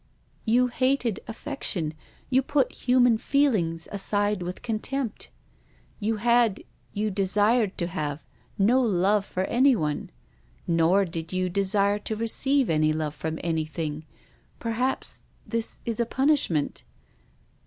" You hated affection. You put human feci PROFESSOR GUILDEA. 335 ings aside with contempt. You had, you desired to have, no love for anyone. Nor did you desire to receive any love from anything. Perhaps this is a punishment."